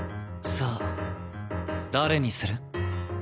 さあ誰にする？